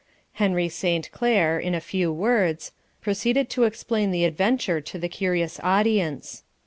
Henry Saint Clere, in a few words, proceeded to explain the adventure to the curious audience.